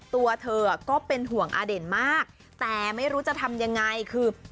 ตัวเธอก็เป็นห่วงอเด่นมากแต่ไม่รู้จะทำยังไงคือ